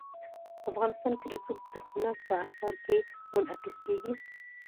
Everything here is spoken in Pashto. افغانستان کې رسوب د هنر په اثار کې منعکس کېږي.